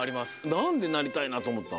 なんでなりたいなとおもったの？